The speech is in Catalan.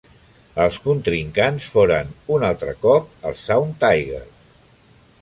Els contrincants foren, un altre cop, els Sound Tigers.